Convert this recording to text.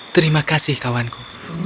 terima kasih kawanku